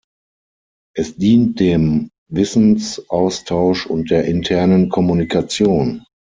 Es dient dem Wissensaustausch und der internen Kommunikation.